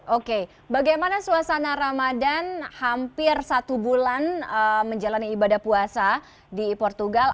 oke bagaimana suasana ramadan hampir satu bulan menjalani ibadah puasa di portugal